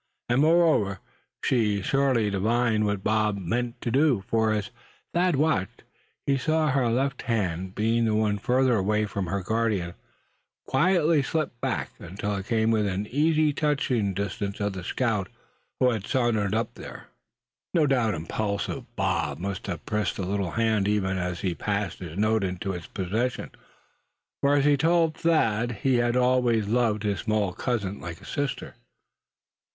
And moreover, she surely divined what Bob meant to do; for as Thad watched, he saw her left hand, being the one further away from her guardian, quietly slip back, until it came within easy touching distance of the scout who had sauntered up there. No doubt impulsive Bob must have pressed that little hand even as he passed his note into its possession; for as he told Thad, he had always loved his small cousin like a sister.